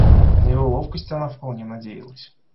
На его ловкость она вполне надеялась.